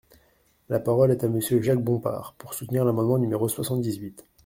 La parole est à Monsieur Jacques Bompard, pour soutenir l’amendement numéro soixante-dix-huit.